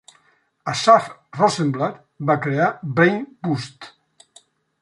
Assaf Rozenblatt va crear Brainboost.